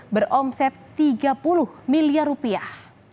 beromset tiga puluh miliar rupiah